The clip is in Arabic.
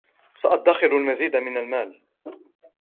سأدخر المزيد من المال.